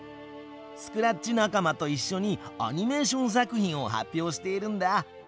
スクラッチ仲間といっしょにアニメーション作品を発表しているんだ。